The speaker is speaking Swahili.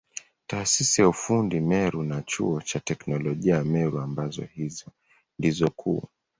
Taasisi ya ufundi Meru na Chuo cha Teknolojia ya Meru ambazo ndizo kuu.